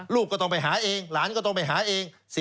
ลูกก็ต้องไปหาเองหลานก็ต้องไปหาเอง